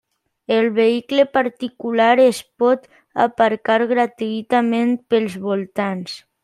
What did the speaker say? El vehicle particular es pot aparcar gratuïtament pels voltants.